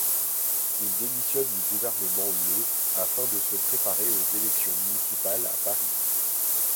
Il démissionne du gouvernement le afin de se préparer aux élections municipales à Paris.